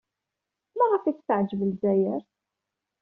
Maɣef ay tt-teɛjeb Lezzayer?